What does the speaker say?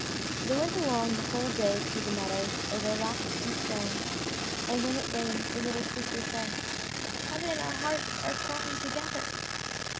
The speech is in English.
They went along the whole day through meadows, over rocks and stones, and when it rained the little sister said, "Heaven and our hearts are crying together."